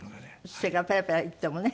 それからペラペラ言ってもね。